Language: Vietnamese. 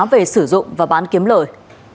về sử dụng và bán kiếm lời